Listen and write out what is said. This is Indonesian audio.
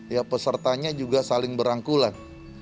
ya pesertanya juga saling berangkulan